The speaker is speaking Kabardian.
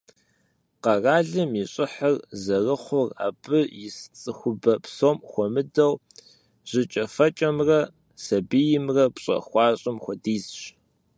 Къэралым и щӀыхьыр зэрыхъур абы ис цӀыхубэм, псом хуэмыдэу, жьыкӏэфэкӏэмрэ сабиймрэ пщӀэуэ хуащӀым хуэдизщ.